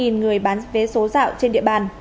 hai mươi người bán vé số dạo trên địa bàn